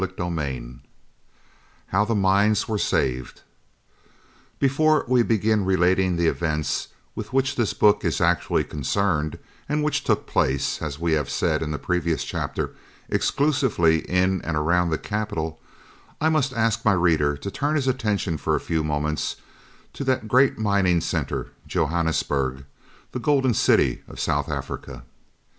CHAPTER II HOW THE MINES WERE SAVED Before we begin relating the events with which this book is actually concerned, and which took place, as we have said in the previous chapter, exclusively in and around the capital, I must ask my reader to turn his attention for a few moments to that great mining centre, Johannesburg, "The Golden City" of South Africa.